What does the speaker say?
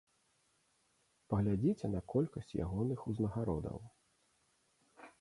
Паглядзіце на колькасць ягоных узнагародаў.